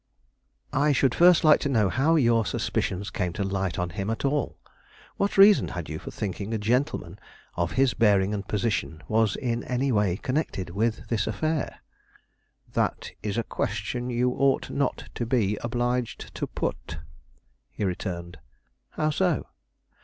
"I should first like to know how your suspicions came to light on him at all. What reason had you for thinking a gentleman of his bearing and position was in any way connected with this affair?" "That is a question you ought not to be obliged to put," he returned. "How so?"